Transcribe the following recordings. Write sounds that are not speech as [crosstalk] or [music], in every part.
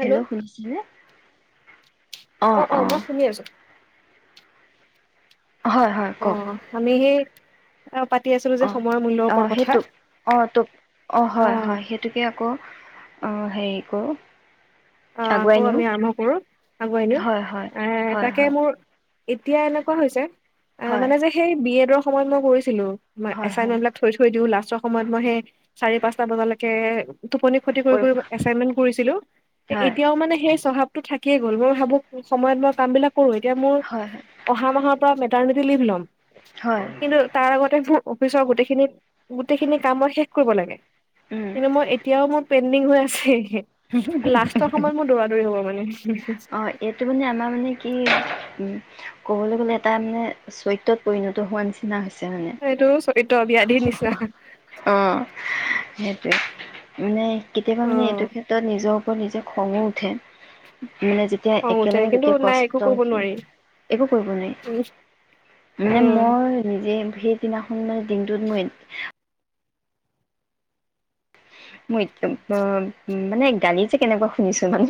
Hello শুনিছানে? অ'অ' মই শুনি আছো। হয়, হয়, অ কওক আমি সেই পাতি আছিলো যে অ, সময়ৰ মূল্যৰ অ ওপৰত কথা সেইটো অ, তোক অ হয় হয় সেইটোকে আকৌ অঁ হেৰি কৰোঁ, অ, আগুৱাই আকৌ নিওঁ আমি আৰম্ভ কৰো, আগুৱাই নিও। হয়, হয়, এ হয়, তাকে হয়, মোৰ এতিয়া এনেকুৱা হৈছে এ হয়, মানে যে সেই বি এডৰ সময়ত মই কৰিছিলো মই হয়, হয়, এচাইনমেন্ট বিলাক থৈ থৈ দিওঁ লাষ্টৰ সময়ত মই সেই চাৰি পাঁচটা বজালৈকে, টোপনি ক্ষতি কৰি কৰিব কৰি এচাইনমেন্ট কৰিছিলো। হয়, এতিয়াও মানে সেই স্বভাৱতো থাকিয়ে গল মই ভাবো [unintelligible] কি কৰোঁ এতিয়া মোৰ হয়, অহা মাহৰ পৰা ভেটাৰনি ৰিলিভ লম হয়, কিন্তু তাৰ আগতে মোৰ অফিচৰ গোটেইখিনি গোটেইখিনি কাম মই শেষ কৰিব লাগে উম, কিন্তু মই এতিয়াও মই পেণ্ডিং হৈ আছে [unintelligible] কষ্ট সময় মোৰ দৌৰা দৌৰি [unintelligible] অ এইটো মানে আমাৰ মানে কি ক'বলৈ গ'লে এটা মানে চৰিত্ৰত পৰিণত হোৱা নিচিনা হৈছে মানে এইটো চৰিত [unintelligible] ব্যাধিৰ নিচিনা মানে কেতিয়াবা অ মানে এইটো ক্ষেত্ৰত নিজক নিজে খঙো উঠে মানে যেতিয়া খং উঠে একেলগে কিন্তু গোটেই নাই কষ্ট একো কৰিব নোৱাৰি একো কৰিব নোৱাৰি মানে উম মোৰ নিজে সেইদিনাখন মানে দিনটোত মই মই [unintelligible] মানে গালি যে কেনেকুৱা শুনিছো মানে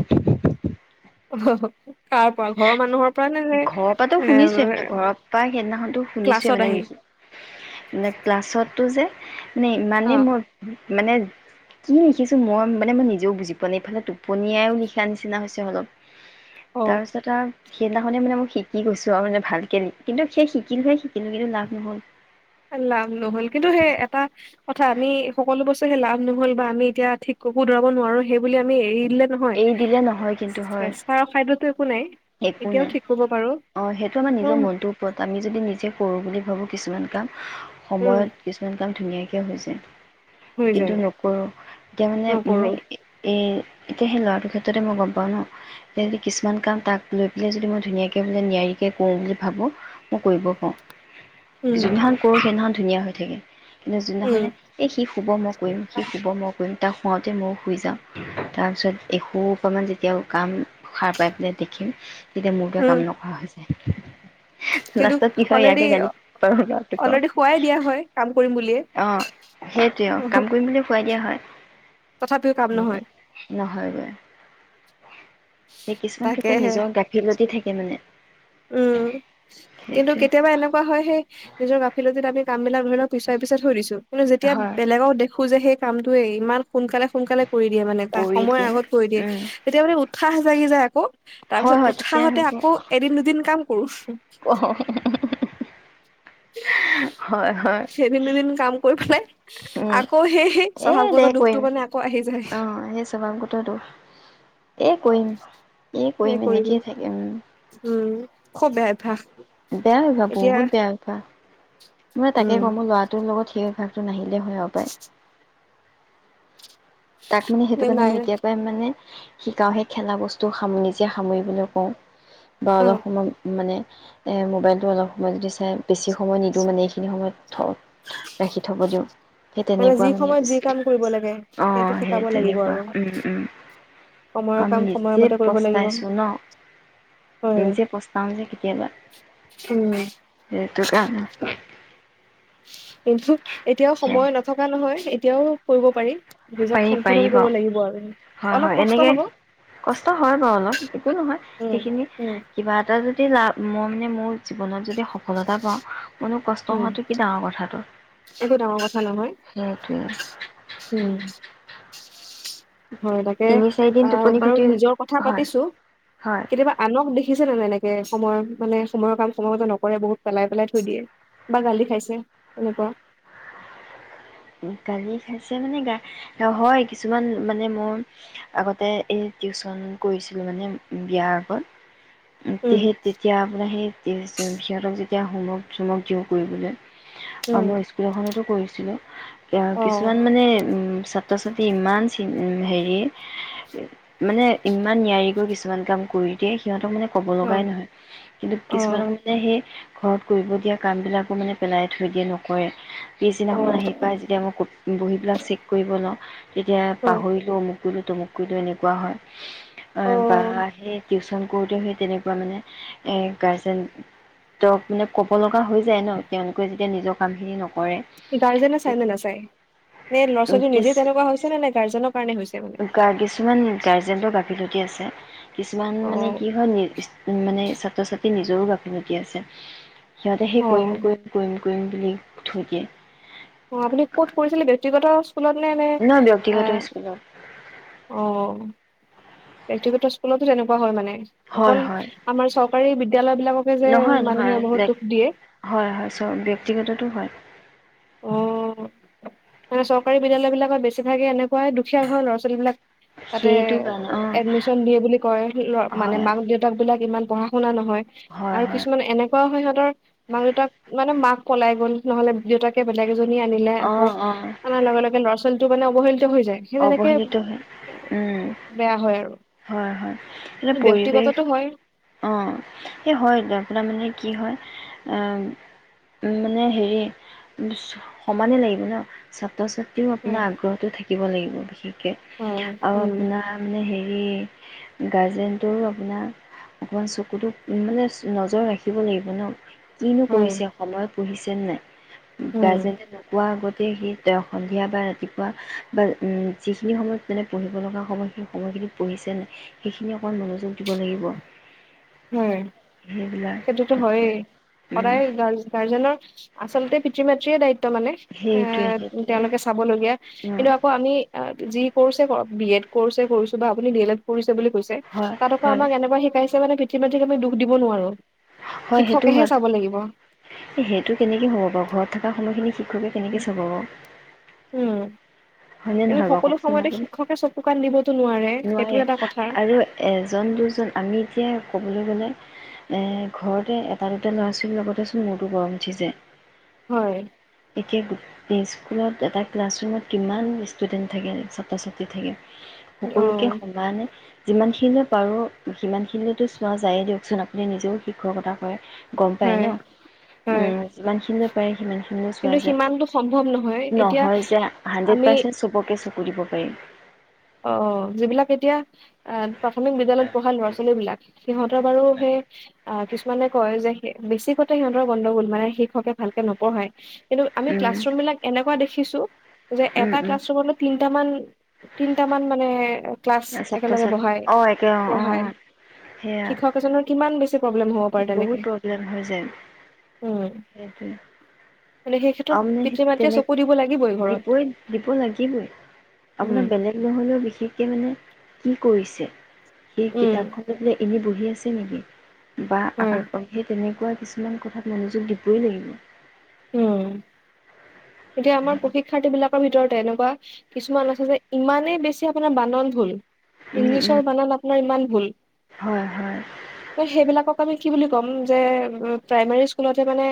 [unintelligible] ঘৰৰ মানুহৰ পৰা নে নে ঘৰৰ পৰাটো এ শুনিছোয়ে মানে ঘৰৰ পৰা সেইদিনাখনতো শুনিছোয়ে ক্লাছত মানে আহি নেকি মানে ক্লাছত টো যে নাই অ ইমানে মোৰ মানে কি লিখিছো মই মানে মই নিজেও বুজি পোৱা নাই ইফালে টোপনিয়াইও লিখা নিচিনা হৈছে অলপ অ সেইদিনাখনে মানে মই শিকি গৈছো আৰু মানে ভালকে কিন্তু সেই শিকিলোহে শিকিলো কিন্তু লাভ নহ'ল লাভ নহল কিন্তু সেই এটা কথা আমি সকলো বস্তু সেই লাভ নহল বা আমি এতিয়া ঠিক শুধৰাব নোৱাৰো সেই বুলি আমি এৰি দিলে নহয় এৰি দিলে নহয় কিন্তু হয় চেষ্টাৰ অসাধ্যতো একো নাই একো এতিয়াও নাই ঠিক কৰিব পাৰো অ সেইটো আমাৰ নিজৰ উম মনটোৰ ওপৰত আমি যদি নিজে কৰো বুলি ভাবো কিছুমান কাম উম সময়ত কিছুমান কাম ধুনীয়াকে স হৈ হৈছে কিন্তু যায় নকৰো এতিয়া মানে নকৰো মোৰ এ এতিয়া সেই ল'ৰাটোৰ ক্ষেত্ৰতে মই গম পাওঁ ন এতিয়া যে কিছুমান কাম তাক লৈ পেলাই যদি মই ধুনীয়াকে মানে নিয়াৰিকে কৰো বুলি ভাবো মই কৰিব উম কাৰো যোনদিনাখন কৰোঁ সেইদিনাখন ধুনীয়া হয় ঠিকে কিন্তু উম যোনদিনাখনে এই সি শুব মই কৰিম সি শুব মই কৰিম তাক শুৱাওতে ময়ো শুই যাও তাৰপিছত এসোপামান যেতিয়া কাম সাৰ পাই পেলাই দেখিম তেতিয়া মোৰটোৱে উম কাম নকৰা হৈছে। কিন্তু লাষ্টত কি হয় অলৰেডি ইয়াকে গালি পাৰো লৰাটোক অলৰেডি খোৱাই দিয়া হয় কাম কৰিম বুলিয়ে অ সেইটয়ে অ কাম কৰিম বুলি [unintelligible] দিয়া হয়। তথাপিও কাম নহয়। নহয় গৈ। ই কিছুমান ক্ষেত্ৰত তাকেহে নিজৰ গাফিলতি থাকে এে মানে [unintelligible] উম' কিন্তু সেইটোৱে কেতিয়াবা এনেকুৱা হয়, সেই নিজৰ গাফিলটিত আমি কামবিলাক [inaudible] পিছুৱাই পিছুৱাই থৈ দিছো। কিন্তু' যেতিয়া হয় বেলেগক দেখো যে সেই কামটোৱেই ইমান সোনকালে সোনকালে কৰি দিয়ে মানে তাক কৰি সময়ৰ দিয়ে আগত কৰি দিয়ে, উম এতিয়া মানে উঠা সাহ জাগি যায় আকৌ' হয় তাৰপিছত হয় উৎসাহতে আকৌ এদিন ক [unintelligible] কাম কৰো অহ, অ', উম' হয় সেই এদিন দুদিন কাম কৰি পেলাই, উম আকৌ সেই এ দে স্বভাৱগত কৰিম দুখটো মানে আকৌ আহি যায়। অ', সেই স্বভাৱগত দোষ এ কৰিম এনেকেই থাকিম। উম খুব বেয়া অভ্যাস বেয়া অভ্যাস এতিয়া বহুত বেয়া অভ্যাস, মই তাকে উম কম মোৰ ল'ৰাটোৰ লগত সেই অভ্যাস নাহিল দে হয় আৰু পায়। তাক মানে সেইটো নে কাৰণে নাই মই এতিয়া পৰাই মানে শিকাওঁ, সেই খেলা বস্তু নিজে সামৰিবলৈ কওঁ বা অ অলপ সময় মানে। এ মোবাইলতটো অলপ সময় যদি চায়, বেছি সময় নিদিওঁ মানে এই সেইখিনি সময়ত থওঁক ৰাখি থ'ব দিয়ক, সেই তেনেকুৱা যি মানে সময়ত যি হৈছিল কাম কৰিব লাগে সেইটো অ' শিকাব সেই লাগিব তেনেকুৱা আৰু উম' উম'। সময়ৰ কাৰণ মই কাম নিজে সময়মতে কৰিব লাগিব পস্তাইছোঁ ন, হয় নিজে পস্তাওঁ যে কেতিয়াবা উম সেইটো কাৰণে। ইনফেক্ট এতিয়াও সময় নথকা নহয়। এই এতিয়াও কৰিব পাৰি নিজক পাৰি সংশোধন পাৰি কৰিব বাৰ লাগিব আৰু হয় অলপ হয় কষ্ট এনেকে হব কষ্ট হয় বাৰু অলপ একো নহয় উম সেইখিনি উম কিবা এটা যদি লাভ মই মানে মোৰ জীৱনত যদি সফলতা পাওঁ মানো কষ্ট উম হোৱাটো কি ডাঙৰ কথাটো একো ডাঙৰ কথা নহয় সেইটোৱেই উম হয় তাকে চাৰিদিন অ টোপনি বাৰু ক্ষতি নিজৰ কথা হয় পাতিছো হয় কেতিয়াবা আনক দেখিছে ননেনেকে সময় মানে সময়ৰ কাম সময় মতে নকৰে বহুত পেলাই পেলাই থৈ দিয়ে বা গালি খাইছে এনেকুৱা গালি খাইছে মানে হয় কিছুমান মানে মই আগতে এই টিউচন কৰিছিলোঁ মানে বিয়াৰ আগত উম সেই তেতিয়া আপোনাৰ সেই এতিয়া হোমক চমক দিওঁ কৰিবলৈ অ উম মই স্কুল এখনতো কৰিছো হেল্ল' এতিয়া অ কিছুমান মানে উম ছাত্ৰ ছাত্ৰী ইমান হেৰি মানে ইমান নিয়াৰিকৈ কিছুমান কাম কৰি দিয়ে সিহঁতক মানে ক'ব অ লগাই নহয় কিন্তু অ কিছুমানক মানে সেই ঘৰত কৰিব দিয়া কাম বিলাকো মানে পেলাই থৈ দিয়ে নকৰে অ পিছদিনাখন আহে তাই যেতিয়া মই ক বহীবিলাক চেক কৰিব লওঁ তেতিয়া অ পাহৰিলো মোক কুলো তমুককিলো এনেকুৱা হয় অ বা আহে টউচন কৰোতে সেই তেনেকুৱা মানে গাৰ্জেনতক মানে ক'ব লগা হৈ যায় ন ', তেওঁলোকে যেতিয়া নিজৰ কামখিনি নকৰে। গাৰ্জেনে চাইনে নাচায়। তাই সেই লৰা - ছোৱালী নিজে কিছ তেনেকুৱা হৈছে নে? নে', গাৰ্জেনক? গা ', কিছুমান গাৰ্জেনটো গাফীলতী আছে। কিছুমান অ মানে কি হয়, মানে নিজ ছাত্ৰ-ছাত্ৰী নিজৰো গাফিলতি আছে। সিহঁতে অ সেই কৰিম- কৰিম -। কৰিম বুলি থৈ দিয়ে। অ', আপুনি ক'ত কৰিছিলে ব্যক্তিগত, ইস্কুলতনে এ', নহয় ব্যক্তিগত স্কুলত অ', ব্যক্তিগত স্কুলতো তেনেকুৱা হয় মানে। হয় অকল হয় আমাৰ চৰকাৰী বিদ্যালয় বিলাককে যে নহয় নহয় মানুহে বহুত লাইক দুখ দিয়ে, হয় হয় চ ব্যক্তিগততো হয় অ', মানে চৰকাৰী বিদ্যালয় বিলাকত বেছিভাগে এনেকুৱাই দুখীয়া ঘৰৰ ল'ৰা ছোৱালী বিলাক, তাতে সেইটো কাৰণে অ এডমিচন দিয়ে বুলি কয় মানে হয় মাক- -দেউতাক বিলাক ইমান, পঢ়া -শুনা নহ', হয়', হয় আৰু হয় কিছুমান এনেকুৱাও হয়, - মাক- দেউতাক মানে মাক পলাই গ'ল নহলে দেউতাক, এ', বেলেগ ইজনী আনিলে অ আকৌ অ আনাৰ লগে- লগে ল'ৰা- ছোৱা, [unintelligible] অৱহেলিত হয়। উম বেয়া হয় আৰু ', -হয় -হয় এয়া পৰিৱেশ ব্যক্তিগতটো হয় অ ', এই, হয় আপোনাৰ মানে কি হয়, মানে হেৰি সমানেই লাগিব ন ', ছাত্ৰ -ছাত্ৰী, - তেওঁ আপোনাৰ হয় আগ্ৰহতো থাকে। লাগিব বিশেষ, হয় আৰু উম আপোনাৰ মানে হে, - ইয়ে গাৰ্জেনটোৰো আপোনা অকণমান চকুতো মানে নজৰ ৰাখিব লাগিব ন', কিনো হয় কৰিছে সময়ত, পুহিছে নাই, উম গাৰ্জেনে নোকোৱা আগত, সি -সি তেওঁ সন্ধিয়া বা ৰাতিপুৱা, বা যিখিনি সময়ত মানে পঢ়িব লগা সময় সেই সময়খিনিত পঢ়িছে নাই, সেইখিনি অকণমান মনোযোগ দিব লাগিব। হয়, সেইবিলাক সেইটোতো ক্ষেত্ৰত হয়েই উম, সদায় গাৰ্জে -গাৰ্জেনক, - আচলতে পিতৃ মাতৃয়ে দায়িত্ব তাৰ মানে সেইটোৱে এ সেইটোৱে তেওঁলোকে চাবলগীয়া। উম, এটো আকৌ আমি অ' যি কৰ্ছে কৰক, বি এড কৰ্ছে কৰিছো বা আপুনি ডি এল এড কৰিছে বুলি হয় তাত আকৌ হয় আমাক এনেকুৱা শিকাই [unintelligible] সেই মানুহটোক আমি দুখ দিব নোৱাৰো। হয় সেইটো শিক্ষকেহে হয়, চাব লাগিব এ সেইটো কেনেকে হ'ব বাৰু ঘৰত থকা সময়খিনি [unintelligible] কেনেকে চোবাব। উম। হয়নে কিন্তু নহয় বাৰু সকলো কওকচোন সময়তে আপুনি, শিক্ষকে চকু কাণ দিবতো নোৱাৰে সেইটো নোৱাৰে এটা কথা আৰু এজন দুজন আমি এতিয়া ক'বলৈ গ'লে এ ঘৰতে এটা দুটা ল'ৰা ছোৱালীৰ লগতেচোন মোৰতো গৰম উঠিছে হয় এতিয়া স্কুলত এটা ক্লাছৰুমত কিমান ষ্টুডেণ্ট থাকে ছাত্ৰ ছাত্ৰী থাকে অ সকলোকে সমানে যিমানখিনিলৈ পাৰো সিমানখিনিলৈেতো চোৱা যায়ে দিয়কচোন আপুনি নিজেও সকতা কয় গম পায় ন হয় উ হয় যিমানখিনি পায় কি মানে চোৱা কিন্তু যে সিমানটো সম্ভৱ নহয় এতিয়া নহয় যে হানড্ৰেড আমি পাৰ্চেণ্ট চবকে চকু দিব পাৰি অ যিবিলাক এতিয়া অ প্ৰাথমিক বিদ্য়ালয়ত পঢ়া ল'ৰা ছোৱালী বিলাক সিহঁতৰ বাৰু সেই আহ কিছুমানে কয় যে বেছিকতে সিহঁতৰ গণ্ডগোল মানে শিক্ষকে ভালকে নপঢ়ায় কিন্তু আমি উম, ক্লাছৰুম বিলাক এনেকুৱা দেখিছু দেখিছো যে উম, এটা উম, ক্লাছৰ হলে তিটা মান তিনিটা মান মানে ক্া ছাত্ৰ একেলগে ছাত বহাই অ', একে অ', অ', অ', সেয়া পহায়শিক্ষক এজনৰ কিমান বেছি প্ৰব্লেম হ'ব পাৰে বহুত তেনেকে প্ৰব্লেম হৈ যায় উম সেইটোৱে মানে সেই ক্ষেত্ৰত আপ পিতৃ মাতৃয়ে চকু দিব লাগিবই তেনেক ঘৰত দিবই দিব লাগিবই উম আপোনাৰ বেলেগ নহ'লেও বিশেষকৈ মানে কি কৰিছে সেই উম কিতাপখনতে এনেই বু আহি আছে নেকি? বা হয় আকাশ পাংখি তেনেকুৱাই তেনেকুৱা কিছুমান কথাত মনোযোগ দিবই লাগিব উম এতিয়া আমাৰ প্ৰশিক্ষাৰ্থী বিলাকৰ ভিতৰত তেনেকুৱা কিছুমান আছে যে ইমানেই বেছি আপোনাৰ বানন হল উম, উম, ইংলিছৰ বানাত আপোনাৰ ইমান ভুল হয়, হয়, তই সেইবিলাকক আমি কি বুলি ক'ম যে প্ৰাইমাৰী স্কুলতে মানে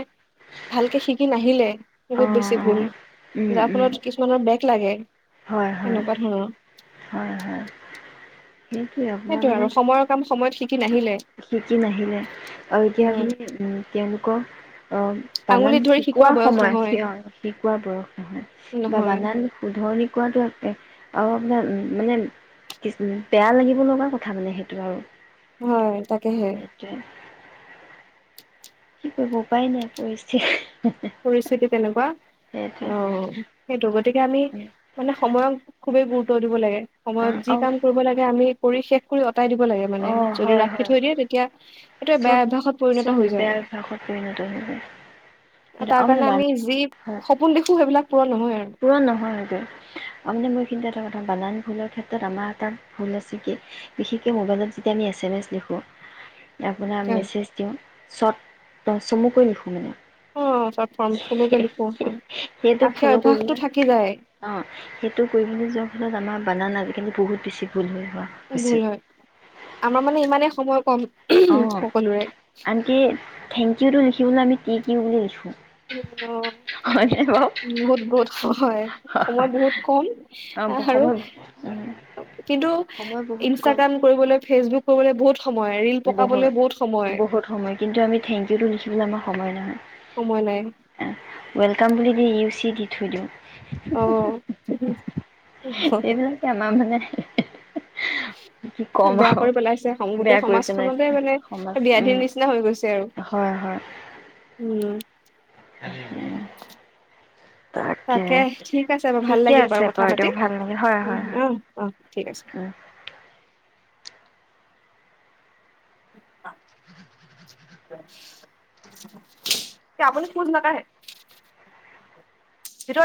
ভালকে শিকি নাহিলে বহুত অ', বেছি ভুল অ', উম, যাৰ উম, ফলত কিছুৰ বেগ লাগে হয়, হয়, তেনেকোৱা ধৰণৰ হয়, হয়, সেইটোৱে আপোনাৰ সেইটোৱে মানে আৰু সময়ৰ কাম সময়ত শিক নাহিলে শিকি নাহিলে আৰু এতিয়া উম আপুনি উম তেওঁলোকৰ অ বানান আঙুলিত ধৰি শিকোৱা বয়স সময়ত, নহয় সেই অহ। শিকোৱাৰ বয়স নহয়। বা বানান শুধৰনি কৌ আৰু আপোনাৰ মানে কি বেয়া লাগিব লগা কথা মানে সেইটো আৰু। হয় তাকেহে সেইটোৱে। কি কৰিব উপাই নাই পৰিস্থিতিৰ পৰিস্থিতি তেনেকুৱা, অ সেইটো গতি গতিকে আমি, মানে সময়ক খুবেই গুৰুত্ব দিব লাগে। সময়ত যি অ' কাম কৰিব লাগে আমি কৰি শেষ কৰোঁ আ কাই দিব লাগে মানে অ' যদি হয় ৰাখি হয় থৈ দিয়ে তেতিয়া এইটো বেয়া চব অভ্যাসত পৰিণত চোন হৈ যায় বেয়া অভ্যাসত পৰিণত হৈ যায়। আৰু সেইটো তাৰ মানে কাৰণে বান আমি যি হয়, সপোন দেখো সেইবিলাক পূৰণ নহয় আৰু পূৰণ নহয় সেইটো। অ মানে মই এইখিনিতে এটা কথা বানান ভুলৰ ক্ষেত্ৰত আমাৰ এটা ভুল আছে কি, বিশেষকৈ মোবাইলত যেতিয়া আমি এছ এম এছ লিখোঁ, আপোনাৰ মেছেজ দিওঁ চৰ্ট চমুকৈ লিখোঁ মানে। অ চৰ্ট ৰ্ফম, চমুকৈ লিখো। সেইটো আৰু সেই ফল' অভ্যাসটো কৰিবলৈ, থাকি যায় অ সেইটো কৰিবলৈ যোৱাৰ ফলত আমাৰ বানানা আজি সেইকাৰণে বহুত বেছি ভুল হয় ভুল হয়। আমাৰ মানে ইমানেই সময় কম অ, সকলোৰে আনকি থেংক ইউটো লিখি লিখিবলৈ আমি টি কিউ বুলি লিখোঁ। উম অ। হয়নে বাৰু বহুত বহুত হয়, সময় বহুত কম অঁ আৰু সময় উম, কিন্তু সময় বহুত কম ইনষ্টাগ্ৰাম কৰিবলৈ ফেচবুক কব গলে বহুত সময় ৰিল বহুত, পকাবলৈ সময় বহুত সময়। কিন্তু আমি থেংক ইউটো লিখিবলৈ আমাক সময় নাই। সময় নাই ৱেলকাম বুলি দি চি দি থৈ দিও অ এইবিলাকে আমাৰ মানে [unintelligible] কি ক'ম বেয়া আৰু কৰি পেলাইছে বেয়া গোটেই কৰি সমাজখনতে পেলাইছে মানে সমাজ উম ব্যয়াধিৰ নিচিনা হৈ গৈছে আৰু উম হৰি তাকে ঠিক আছে বাৰু ভাল ঠিকে লাগিল আছে বাৰু কথা দিয়ক পাতি ভাল লাগিল হয় উ হয় হয় আহ অ ঠিক আছে উম অ কি আপোনি খোজ নাকে